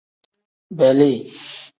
Beeli.